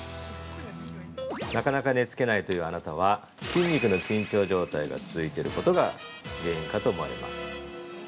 ◆なかなか寝つけないというあなたは筋肉の緊張状態が続いていることが、原因かと思われます。